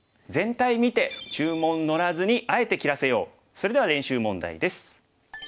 それでは練習問題です。